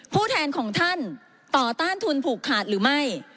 ผู้แทนของท่านต่อต้านทุนผูกขาดหรือไม่